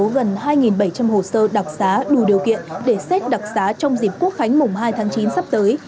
gần hai bảy trăm linh hồ sơ đặc xá đủ điều kiện để xét đặc xá trong dịp quốc khánh mùng hai tháng chín sắp tới